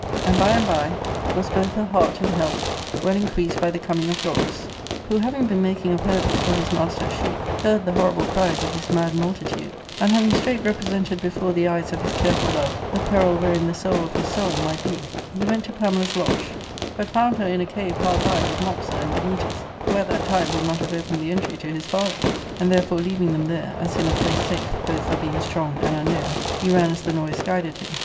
And by and by was both her heart and help well increased * IVifty A.S. winn an, to gain, to reach. ARCADIA,— Book IL 225 by the coming of Dorus, who, having been making of hurdles for his master's sheep, heard the horrible cries of this mad multitude ; and having straight represented before the eyes of his careful love the peril wherein the soul of his soul might be, he went to Pamela's lodge, but found her in a cave hard by with Mopsa and Dametas, who at that time would not have opened the entry to his father. And therefore leaving them there, as in a place safe, both for being strong and un known, he ran as the noise guided him.